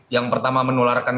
yang pertama menularkan